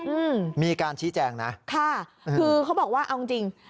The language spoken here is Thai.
อืมมีการชี้แจงนะค่ะคือเขาบอกว่าเอาจริงจริง